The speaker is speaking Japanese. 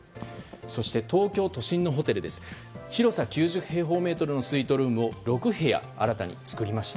東京都心のホテルは広さ９０平方メートルのスイートルームを６部屋新たに作りました。